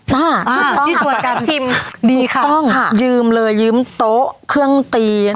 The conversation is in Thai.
ฮะอ่าที่ส่วนกันดีค่ะค่ะยืมเลยยืมโต๊ะเครื่องตีักซ์